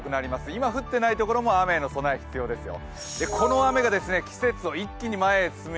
今降っていないところも雨の備え必要ですよ。